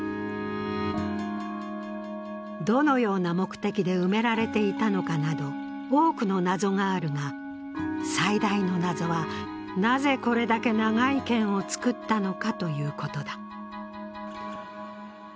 どのような目的で埋められていたのかなど多くの謎があるが最大の謎は、なぜこれだけ長い剣を作ったのかということだ。